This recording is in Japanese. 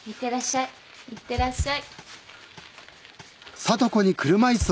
いってらっしゃい。